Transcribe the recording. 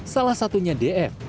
salah satunya df